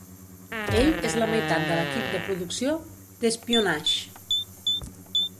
Ell és la meitat de l'equip de producció d'"Espionage".